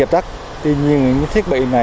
tuy nhiên những thiết bị này